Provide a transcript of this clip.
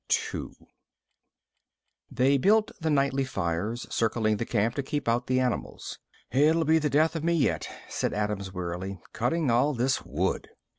III They built the nightly fires circling the camp to keep out the animals. "It'll be the death of me yet," said Adams wearily, "cutting all this wood."